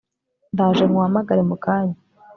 ndaje nkuhamagare mukanya